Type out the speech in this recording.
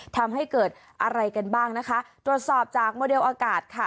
ทำให้เกิดอะไรกันบ้างนะคะตรวจสอบจากโมเดลอากาศค่ะ